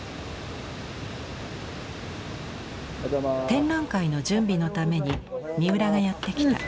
展覧会の準備のために三浦がやって来た。